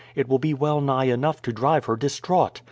It will be well nigh enough to drive her distraught.